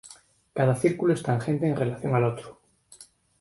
Cada círculo es tangente en relación al otro.